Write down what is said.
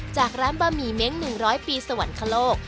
จากร้านบะหมี่เม้ง๑๐๐ปีสวรรคโลก